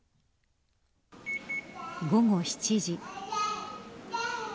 午後７時。